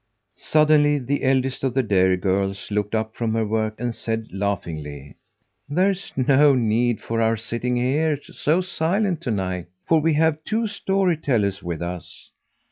Suddenly the eldest of the dairy girls looked up from her work and said laughingly: "There's no need of our sitting here so silent to night, for we have two story tellers with us.